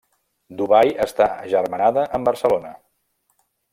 Dubai està agermanada amb Barcelona.